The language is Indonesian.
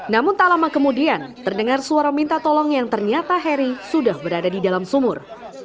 namun tak lama kemudian terdengar suara minta tolong yang ternyata harry sudah berada di dalam sumur